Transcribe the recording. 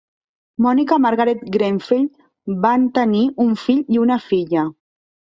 Monica Margaret Grenfell; van tenir un fill i una filla.